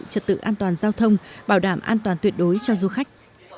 trật tự an toàn giao thông bảo đảm an toàn tuyệt đối cho du khách